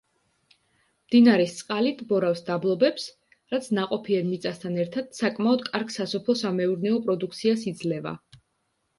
მდინარის წყალი ტბორავს დაბლობებს, რაც ნაყოფიერ მიწასთან ერთად საკმაოდ კარგ სასოფლო-სამეურნეო პროდუქციას იძლევა.